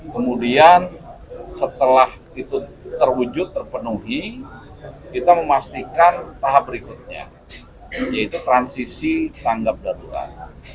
kemudian setelah itu terwujud terpenuhi kita memastikan tahap berikutnya yaitu transisi tanggap darurat